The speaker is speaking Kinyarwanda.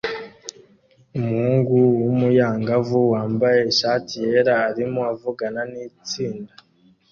Umuhungu wumuyangavu wambaye ishati yera arimo avugana nitsinda